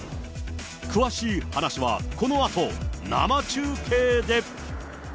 詳しい話はこのあと、生中継で。